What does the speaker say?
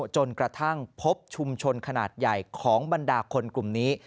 จนกระทั่งพบชุมชนขนาดใหญ่ของบรรดาคนกลุ่มนี้